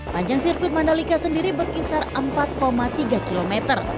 panjang sirkuit mandalika sendiri berkisar empat tiga km